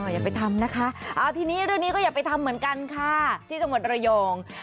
อย่าไปทำนะคะเอาทีนี้เรื่องนี้ก็อย่าไปทำเหมือนกันค่ะที่จังหวัดระยอง